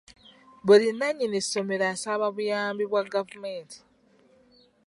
Buli nannyini ssomero asaba buyambi bwa gavumenti.